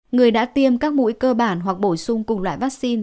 người đã tiêm các mũi cơ bản hoặc bổ sung cùng loại vaccine